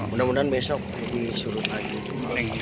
mudah mudahan besok lebih surut lagi